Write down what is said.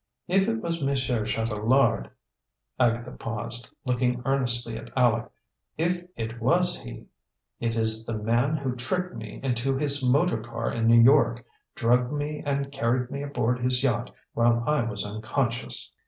"If it was Monsieur Chatelard," Agatha paused, looking earnestly at Aleck, "if it was he, it is the man who tricked me into his motor car in New York, drugged me and carried me aboard his yacht while I was unconscious."